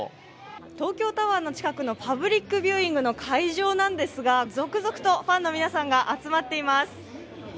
東京タワーの近くのパプリックビューイングの会場なんですが、続々とファンの皆さんが集まっています。